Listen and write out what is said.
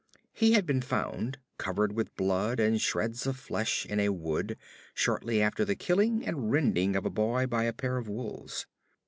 He had been found covered with blood and shreds of flesh in a wood, shortly after the killing and rending of a boy by a pair of wolves.